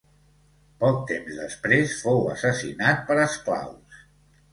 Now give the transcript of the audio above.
Poc temps després fou assassinat per esclaus.